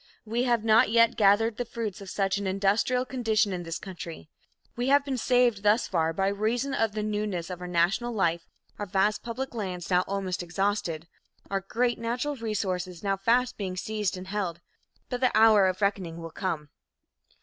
We have not yet gathered the fruits of such an industrial condition in this country. We have been saved thus far by reason of the newness of our national life, our vast public lands now almost exhausted, our great natural resources now fast being seized and held, but the hour of reckoning will come."